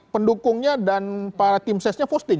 pendukungnya dan para tim sesnya posting